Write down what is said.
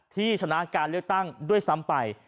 ที่ชนะการเลือกตั้งด้วยซ้ำไป